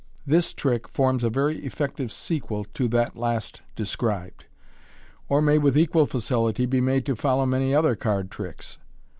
— This trick forms a very effective iequel to that last described, or may with equal facility be made to follow many other card tricks.